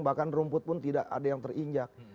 bahkan rumput pun tidak ada yang terinjak